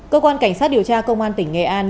cơ quan cảnh sát điều tra công an tỉnh nghệ an